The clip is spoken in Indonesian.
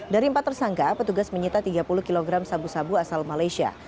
dari empat tersangka petugas menyita tiga puluh kg sabu sabu asal malaysia